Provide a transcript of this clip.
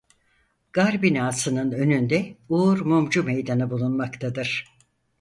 Gar binasının önünde Uğur Mumcu Meydanı bulunmaktadır.